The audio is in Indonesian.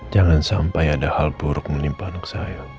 jangan sampai ada hal buruk menimpa anak saya